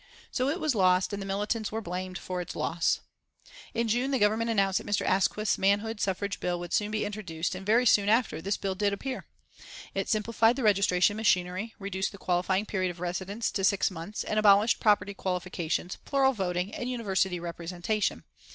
So it was lost, and the Militants were blamed for its loss! In June the Government announced that Mr. Asquith's manhood suffrage bill would soon be introduced, and very soon after this the bill did appear. It simplified the registration machinery, reduced the qualifying period of residence to six months, and abolished property qualifications, plural voting and University representation.